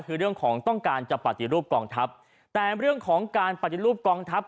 คือเรื่องของต้องการจะปฏิรูปกองทัพแต่เรื่องของการปฏิรูปกองทัพ